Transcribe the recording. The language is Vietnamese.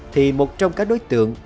thì một trong các đối tượng